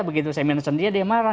begitu saya mention dia dia marah